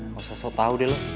gak usah sok tau deh lo